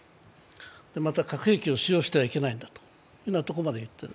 また核兵器を使用してはいけないとまで言っている。